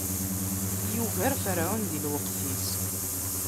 Yugar ferɛun di lweqt-is.